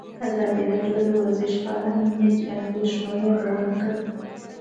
ازادي راډیو د ورزش په اړه د امنیتي اندېښنو یادونه کړې.